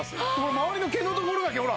周りの毛の所だけほら。